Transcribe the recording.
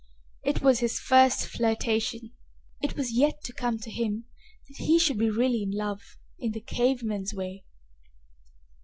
It was his first flirtation. It was yet to come to him that he should be really in love in the cave man's way.